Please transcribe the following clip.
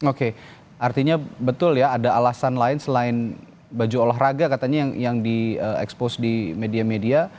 oke artinya betul ya ada alasan lain selain baju olahraga katanya yang di expose di media media